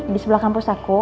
di sebelah kampus aku